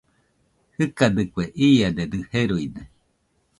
Jɨkadɨkue, iadedɨ jeruide